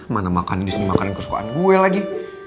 mana makannya disini makannya kesukaan gue lagi